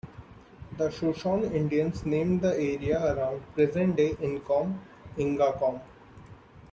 The Shoshone Indians named the area around present day Inkom, "Ingacom".